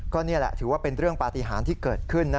ก็นี่แหละถือว่าเป็นเรื่องปฏิหารที่เกิดขึ้น